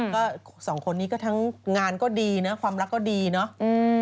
ก็สองคนนี้ก็ทั้งงานก็ดีนะความรักก็ดีเนาะ